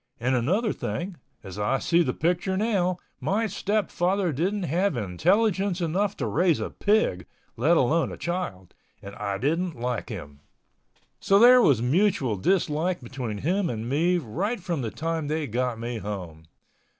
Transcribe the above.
And another thing, as I see the picture now, my stepfather didn't have intelligence enough to raise a pig, let alone a child, and I didn't like him. So there was a mutual dislike between him and me right from the time they got me home.